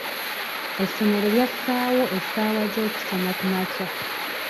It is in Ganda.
Essomero lyassaawo essaawa z'okusoma kumakya.